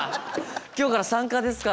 今日から参加ですから。